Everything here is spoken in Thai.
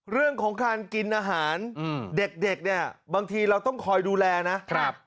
เรื่องของการกินอาหารเด็กเนี่ยบางทีเราต้องคอยดูแลนะครับ